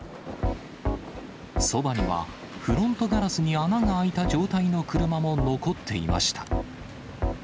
そばには、フロントガラスに穴が開いた状態の車も残っていました。